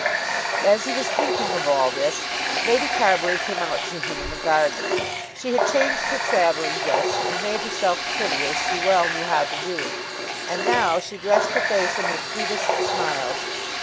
As he was thinking of all this, Lady Carbury came out to him in the garden. She had changed her travelling dress, and made herself pretty, as she well knew how to do. And now she dressed her face in her sweetest smiles.